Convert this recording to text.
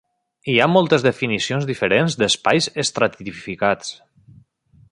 Hi ha moltes definicions diferents d'espais estratificats.